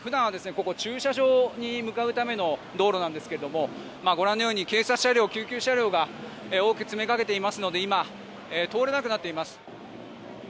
ここ駐車場に向かうための道路なんですけれどもご覧のように警察車両、救急車両が多く詰めかけていますので今通れなくなっています。